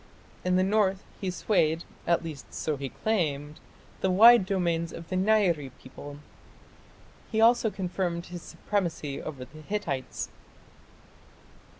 In the north he swayed at least, so he claimed the wide domains of the Nairi people. He also confirmed his supremacy over the Hittites.